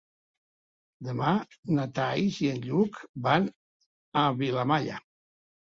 Demà na Thaís i en Lluc van a Vilamalla.